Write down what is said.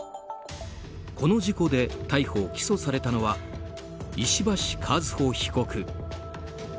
この事故で逮捕・起訴されたのは石橋和歩被告。